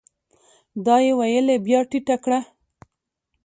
دا يې ويلې بيا ټيټه کړه ؟